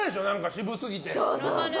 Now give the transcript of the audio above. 渋すぎて。